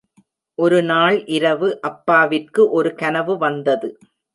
ஒருநாள் இரவு, அப்பாவிற்கு ஒரு கனவு வந்தது.